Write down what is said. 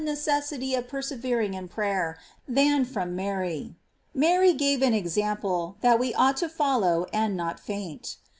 necessity of persevering in prayer, than from Mary. Mary gave an example, that we ought to follow and not faint.